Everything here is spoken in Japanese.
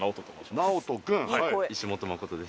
直人くん石本誠です